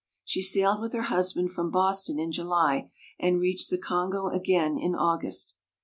She sailed with her husband from Boston in July and reached the Congo again in August.